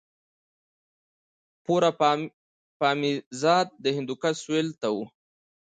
پاروپامیزاد د هندوکش سویل ته و